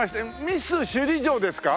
ミス首里城ですか？